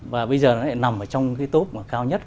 và bây giờ nó lại nằm trong top cao nhất